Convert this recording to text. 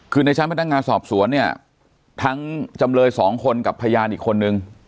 คือในชั้นพนักงานสอบสวนเนี่ยทั้งจำเลยสองคนกับพยานอีกคนนึง